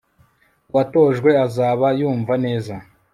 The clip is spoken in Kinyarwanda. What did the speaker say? uwatojwe azaba yumva neza